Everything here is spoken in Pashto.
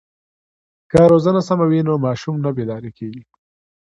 که روزنه سمه وي نو ماشوم نه بې لارې کېږي.